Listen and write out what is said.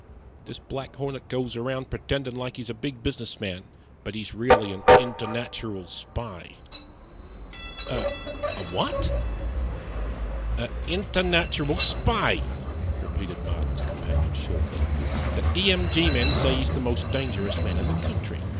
This Black Hornet goes around pretendin' like he's a big business man, but he's really a internatural spy." "A what?" "A internatural spy," repeated Marden's companion, shortly. "The E M G men say he's the most dangerous man in the country.